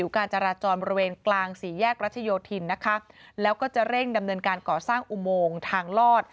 การจราจรบริเวณกลางสี่แยกรัชโยธินนะคะแล้วก็จะเร่งดำเนินการก่อสร้างอุโมงทางลอด